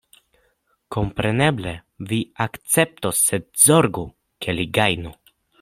Kompreneble vi akceptos, sed zorgu, ke li gajnu.